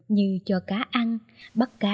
như cho cá ăn bắt cá v v